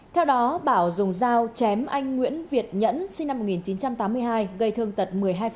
theo đó bảo dùng dao chém anh nguyễn việt nhẫn sinh năm một nghìn chín trăm tám mươi hai gây thương tật một mươi hai